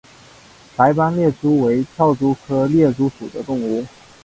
白斑猎蛛为跳蛛科猎蛛属的动物。